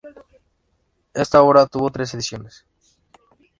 Esta obra tuvo tres ediciones.